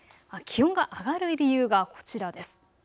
気温が上がる理由がこちらです。